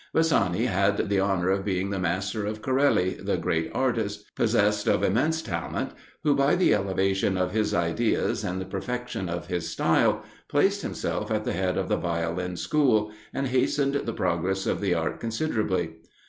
Bassani had the honour of being the master of Corelli, the great artist, possessed of immense talent, who by the elevation of his ideas, and the perfection of his style, placed himself at the head of the Violin School, and hastened the progress of the art considerably.